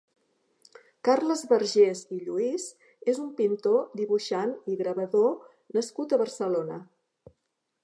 Carles Vergés i Lluís és un pintor, dibuixant i gravador nascut a Barcelona.